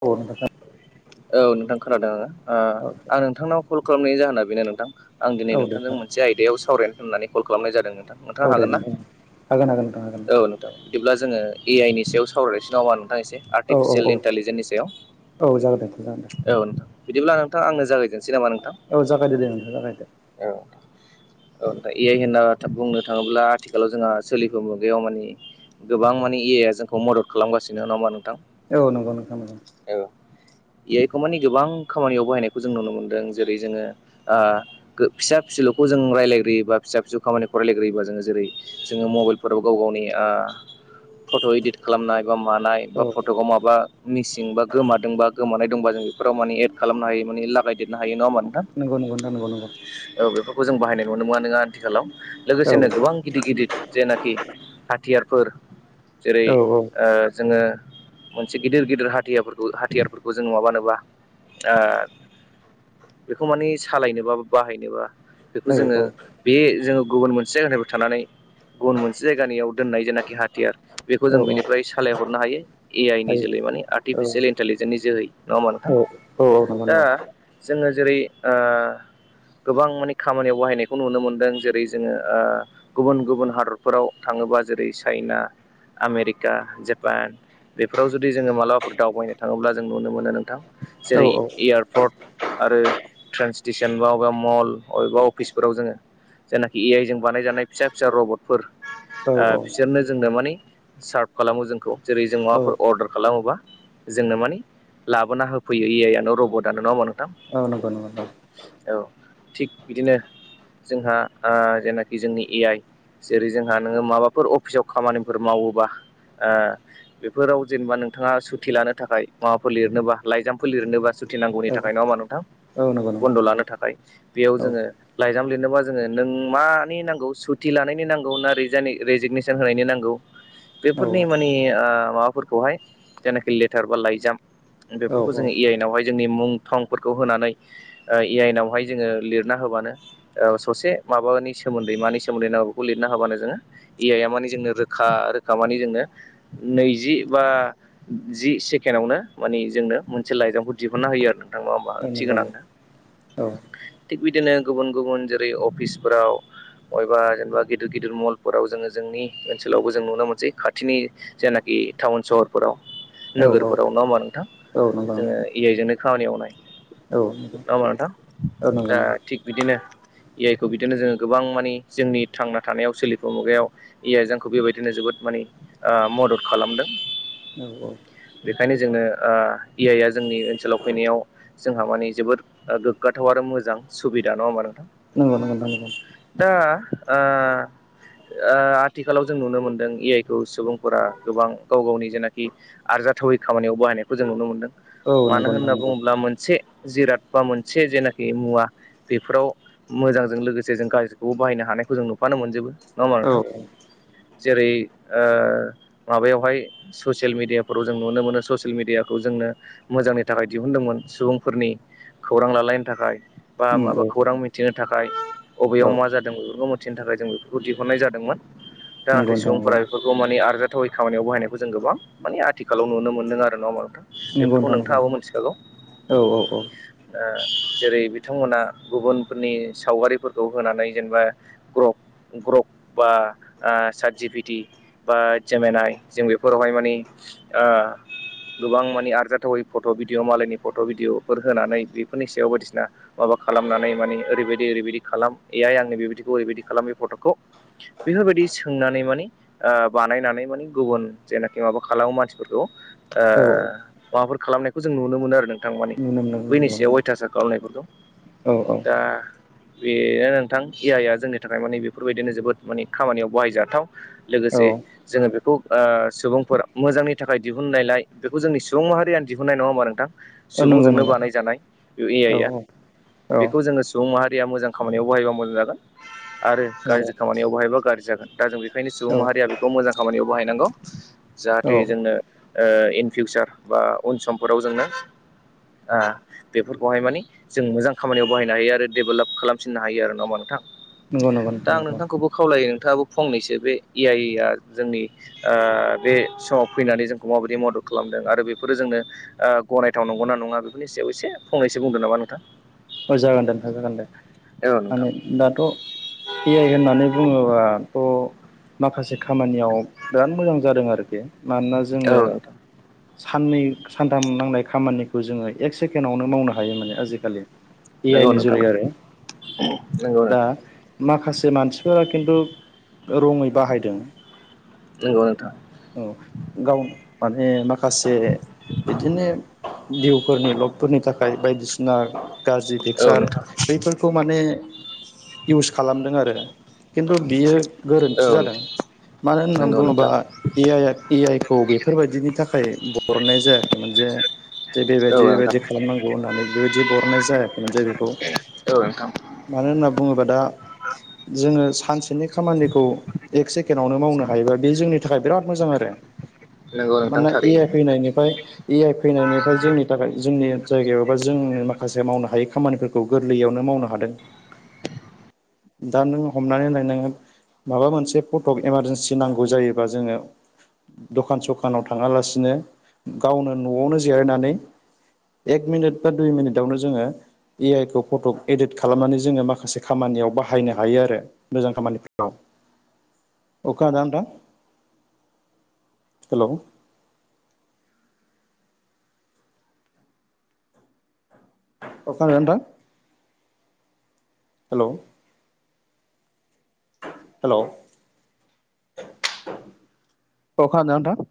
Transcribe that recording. औ। औ नोंथां खोनादों आङो औ दे आं नोंथांनाव कल खालामनायनिनायनि जाहोना बेनो नोंथां। आं दिनै औ दे नोंथांजों नोंथां मोनसे आयदायाव सावरायनो होननानै कल खालामनाय जादोंमोन। औ नोंथाङा दे हागोन ना नोंथां हागोन हागोन नोंथां हागोन औ नोंथां बिदिब्ला जोङो ए आइ नि सायाव सावरायसिनोन हामा नोंथांनि एसे औ औ आर्टिफिसियेल औ इन्टेलिजेन्सनि सायाव औ जागोन देथ जागोन दे औ नोंथां बिदिब्ला नोंथां आंनो जागायगोन। औ जागायदो दे नोंथां जागायदो। अ औ ए आइ होनना बुंनो थाङोब्ला आथिखालाव जोंहा सोलिफ मुगायाव मानि गोबां माने ए आइ आ जोंखौ मदद खालामगासिनो ना। औ नंगौ नोंथां नंगौ ए आइ खौ माने गोबां। खामानियाव बाहायनायखौ जों नुनो मोनदों जेरै जोङो। फिसा फिसौखौ जों रायलाय्रोयोबा फिसा फिसौ खामानिखौ रालायग्रयोबा जोङो जेरै जोङो मबाइलाव गाव गावनो। फट' इदिट खालामनाय मानाय औ बा फट'खौ माबा मिसिं बा गोमादों बा गोमानाय। दंबा जों बेफोराव माने एड खालामनो हायो माने लागायदेरनो हायो नङा होनबा नोंथां। नंगौ नंगौ नोंथां नंगौ नंगौ बेफोरखौ जों बाहायनाय नुनो मोना नोङा आथिखालाव। लोगोसेनो गोबां गिदिर गिदिर जेनाखि हाथियारफोर। जेरै औ जोङो मोनसे गिदिर गिदिर हाथियारफोरखौ हाथियारफोरखौ जोङ माबानोबा बेखौ माने सालायनोबा बाहायनोबा। बेखौ औ जोङो औ बे जोङो गुबुन मोनसे जायगानिफ्राय थानानै गुबुन मोनसे जायगानियाव दोननाय जेखि हाथियार बेखौ औ जों औ बिनिफ्राय सालायहरनो हायो ए आइ नि हायो जोलै माने औ आर्टिफिसियेल इन्टेलिजेन्सनि जोहै नङा मानो। औ औ औ नंगौ दा नंगौ जोङो जेरै गोबां माने खामानियाव बाहायनायखौ नुनो मोनदों जेरै जोङो गुबुन गुबुन हादरफोराव। थाङोबा जेरै चाइना। आमेरिका जापान बेफोराव जुदि जोङो मालाबाफोर दावबायनो थाङोब्ला जों नुनो मोनो नों औ जेरै एयारपर्ट आरो ट्रेन स्टेसन जेनेबा अबेबा मल अबेबा अफिसफोराव जोङो जेनाखि ए आइ जों बानायजानाय फिसा फिसा रबटफोर औ बिसोरनो जोंनो माने सार्भ खालामो जोंखौ जेरै जों माबाफोर अर्डार खालामोबा। जोंनो माने लाबोना होफैयो ए आइआनो रबटआनो नडा होमबा नोंथां औ नंगौ नंगौ नंगौ औ थिग बिदिनो जोंहा जेनाखि जोंनि ए आइ जेरै जोंहा नोङो माबाफोर अफिसाव खामानिफोर मावोबा बेफोराव जेनेबा नोंथाङा सुति लानो थाखाय माबाफोर लिरनोबा लाइजामफोर लिरनोबा सुति थिनांगौनि औ थाखाय नङा मा नोंथां। औ नंगौ नंगौ बन्द' लानो थाखाय बेयाव औ जोङो लाइजाम लिरनोबा जोङो नों मानि नांगौ सुथि लानायनि नांगौ ना। रज रेजिगनेसन होनायनि नांगौ। औ बेफोरनि माने माबाफोरखौहाय जेनाखि लेटार बा लाइजाम औ नंगौ औ बेफोरखौ जों ए आइनावहाय जोंनि मुं थंफोरखौ होनानै इ आइन आवहाय जोङो लिरना होबानो ससे माबानि सोमोन्दै मानि सोमोन्दै नांगौ बेखौ लिरनानै हानो जोङो ए आइया मानो जोंनो रोखा रोखा माने जोंनो नैजि बा जि सेकेणडआवनो माने जोंनो मोनसे लाइजामखौ दिहुनना होयो आरो नोंथां ना होमबा नंगौ ओंथिगोनां नंगौ नो औ थिग बिदिनो गुबुन गुबुन जेरै अफिसफोराव बबेबा जेनेबा गिदिर गिदिर मलफोराव जोङो जोंनि ओनसोलावबो जों नुनो मोनसै खाथिनि जेनाखि टाउन सहरफोराव नोगोरफोराव नङा होमबा नोंथां नंगौ औ नंगौ जोङो ए आइजोंनो खामानि मावनाय औ नङा होमबा नोंथां नंगौ ओ नंगौ नोंथां थिग बिदिनो ए आइखौ बिदिनो जोङो गोबां माने जोंनि थांना थानायाव सोलिफु मुगायाव ए आइ जोंखौ बेबायदिनो जोबोद माने ओ मदद खालामदों। औ बेखायनो जोंनो ओ ए आइआ जोंनि ओनसोलाव फैनायाव जोंहा माने जोबोद गोग्गाथाव आरो मोजां सुबिदा नङा होमबा नोंथां? नोंगौ नोंगौ नोंथां नंगौ। दा ओ ओ आथिखालाव जों नुनो मोनदों ए आइ खौ सुबुंफोरा गोबां गाव गावनि जेनाखि आरजा जाथावै खामानियाव बाहायनायखौ जों नुनो मोन्दों मानो नंगौ नोंथां होनना नंगौ बुङोब्ला मोनसे जिराद बा मोनसे जेनाखि मुवा बेफोराव मोजांजों लोगोसे जों गाज्रिखौबो बाहायनो हानायखौ जों नुफानो नो मोनजोबो नङा होमबा औ नोंथां? जेरै ओ माबायावहाय ससियेल मिडियाफोराव जों नुनो मोनो ससियेल मिडिया खौ जोंनो मोजांनि थाखाय दिहुनदोंमोन सुबुंफोरनि खौरां लालायनो थाखाय बा उम माबा औ खौरां मिथिनो थाखाय अबेयाव औ मा जादों बेफोरखौ मिथिनो थाखाय जों बेफोरखौ दिहुननाय जादोंमोन। जाहाथे नंगौ नोंथां सुबुंफोरा बेफोरखौ माने आरो जाथावै खामानियाव बाहायनायखौ जों गोबां माने आथिखालाव नु मोनदों आरो नङा होमबा नोंथां नंगौ नंगौ बेफोरखौ नोंथां नंगौ नोंथाङाबो मोनथिखागौ। औ औ औ ओ जेरै बिथांमोना गुबुनफोरनि सावगारिफोरखौ होनानै जेनेबा ग्र ग्रप बा ओ सारजिपिटि बा जिमिनाय जों बेफोरावहाय माने ओ गोबां माने आरजाथावै फट' भिडिय' मालायनि फट' भिडिय'फोर होनानै बेफोरनि सायाव बायदिसिना माबा खालामनानै माने ओरैबायदि ओरैबायदि खालाम ए आइ आंनि बेबायदिखौ ओरैबायदि खालाम पतखौ बेफोरबायदि सोंनानै माने बानायनानै माने गुबुन जेनाखि माबा खालाम खालामाव मानसिफोरखौ औ माबाफोर खालामनायखौ जों नुनो मोनो आरो नों [unintelligible] बैनि सायाव अयथासार खालामनायफोरखौ औ औ दा बेनो नोंथां ए आइआ जोंनि थाखाय माने बेफोरबायदिनो जोबोद माने खामानियाव बाहायजाथाव लोगो औ से जोङो बेखौ ओ सुबुंफोरा मोजांनि थाखाय दिहुननायलाय बेखौ जोंनि सुबुं माहारियानो दिहुन नाय नङा होमबा नोंथां औ नंगौ सुबुंजोंनो नंगौ बानायजानाय ए औ आइ आ औ बेखौ जोङो सुबुं माहारिया मोजां खामानियाव बाहायबा मोजां जागोन आरो गाज्रि खामानियाव बाहायबा गाज्रि जागोन। दा जों बेखायनो औ सुबुं माहारिया बेखौ मोजां खामानियाव बाहायनांगौ जाहाथे नंगौ जोंनो ओ इन फिउसा र बा उन समफोराव जोंनो आ बेफोरखौहाय मानानि जों मोजां खामानियाव बाहायनो हायो आरो डेभेलप खालामफिननो हायो आरो नङा होमबा नोंथां नंगौ दा नोंथां आं नंगौ नोंथांखौबो खावलायो। नोंथाबो फंनैसो बे ए आइआ जोंनि ओ बे समाव फैनानै जोंखौ माबायदि मदद खालामदों आरो बेफोरो जोंनो ओ गनायथाव नंगौना नङा बेफोरनि सायाव एसे फंनैसो बुंदों नामा नोंथां? अ जागोन दे नोंथां जागोन दे। औ नोंथां माने दाथ' ए आइ होननानै बुङोबाथ' माखासे खामानियाव बिराद मोजां जादों आरोखि मानोना औ जोङो नोंथां साननै सानथाम नांनाय खामानिखौ जोङो एक सेकेणडआवनो मावनो हायो माने आजिखालि ए आइ नंगौ नि नोंथां जुरै आरो नंगौ दा नोंथां माखासे मानसिफोरा खिन्थु रङै बाहायदों नंगौ नोंथां औ गाव माने माखासे बिदिनो भिउफोरनि लबफोरनि थाखाय बायदिसिना गाज्रि औ पिकचार नोंथां बैफोरखौ माने इउस खालामदों आरो खिन्थु बियो गोरोन्थि औ। जादों मानो होननानै नंगौ बुङोबा नोंथां ए आइ ए आइ खौ बेफोरबायदिनि थाखाय बरनाय जायाखैमोन जे जे औ बेबायदि नोंथां बेबायदि खालामनांगौ होननानै बेबायदि बर हरनाय जायाखैमोन जे बेखौ औ नोंथां मानो होनना बुङोबा दा जोङो सानसेनि खामानिखौ एक सेकेणडआवनो मावनो हायोबा बे जोंनि थाखाय बिराद मोजां आरो नंगौ नोंथां मानोना ए आइ थारैनो फैनायनिफ्राय ए आइ फैनायनिफ्राय जोंनि थाखाय जोंनि जायगायावबा जोंनि माखासे मावनो हायै खामानिफोरखौ गोरलैयावनो मावनो हादों दा नों हमनानै नायनांगोन माबा मोनसे फटक इमारजेन्सि नांगौ जायोबा जोङो दखान सखानाव थाङालासिनो गावनो न'आवनो जिरायनानै एक मिनिट बा दुइ मिनिटावनो जोङो ए आइ खौ फट' एदिट खालामनानै जोङो माखासे खामानियाव बाहायनो हायो आरो मोजां खामानिफ्राव अखा दाम दा हेल' [unintelligible] हेल' हेल' औ खोना दोंना नोंथां